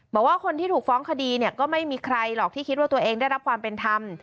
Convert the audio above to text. บอกว่าคนที่ถูกฟ้องคดีเนี่ยก็ไม่มีใครหรอกที่คิดว่าตัวเองได้รับความเป็นธรรม